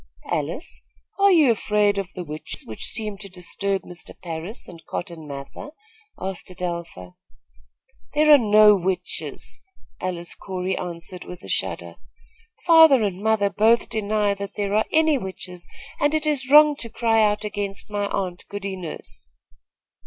"Alice, are you afraid of the witches, which seem to disturb Mr. Parris and Cotton Mather?" asked Adelpha. "There are no witches," Alice Corey answered with a shudder. "Father and mother both deny that there are any witches, and it is wrong to cry out against my aunt, Goody Nurse."